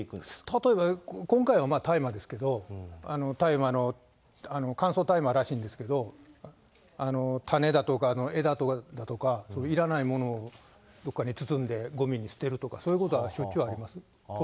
例えば今回は大麻ですけど、大麻の、乾燥大麻らしいんですけど、種だとか、枝だとか、いらないものをどっかに包んでごみに捨てるとか、そういうことはしょっちゅうあります。